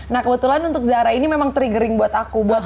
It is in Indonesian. nah kebetulan untuk zahra ini memang triggering buat aku